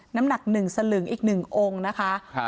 น้ำหนัก๑สลึงอีก๑องค์นะคะ